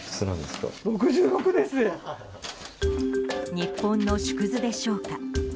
日本の縮図でしょうか。